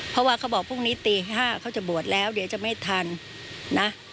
เพราะว่าเขาบอกพรุ่งนี้ตี๕เขาจะบวชแล้วเดี๋ยวจะไม่ทันนะ